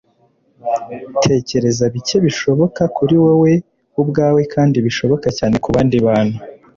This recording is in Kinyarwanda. tekereza bike bishoboka kuri wewe ubwawe kandi bishoboka cyane ku bandi bantu